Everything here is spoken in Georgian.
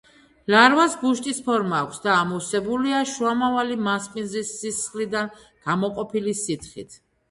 ლარვას ბუშტის ფორმა აქვს და ამოვსებულია შუამავალი მასპინძლის სისხლიდან გამოყოფილი სითხით.